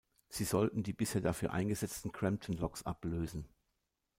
Sie sollten die bisher dafür eingesetzten Crampton-Loks ablösen.